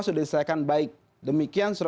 sudah diselesaikan baik demikian